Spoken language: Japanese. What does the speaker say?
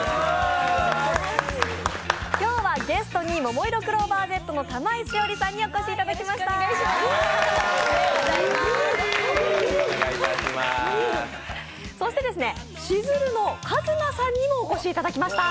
今日はゲストにももいろクローバーＺの玉井詩織さんにお越しいただきました。